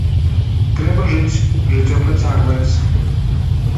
Трэба жыць, жыццё працягваецца.